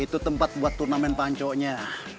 itu tempat buat turnamen panco nya